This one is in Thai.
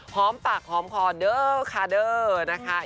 หอมปากหอมคอเด้อคาเดอร์นะคะ